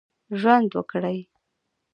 ژوند وکړي.